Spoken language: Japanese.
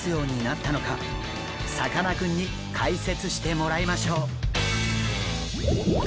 さかなクンに解説してもらいましょう。